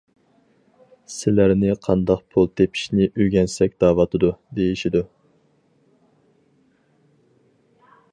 سىلەرنى قانداق پۇل تېپىشنى ئۆگەنسەك دەۋاتىدۇ، دېيىشىدۇ.